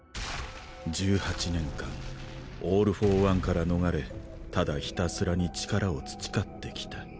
１８年間オール・フォー・ワンから逃れ只ひたすらに力を培ってきた。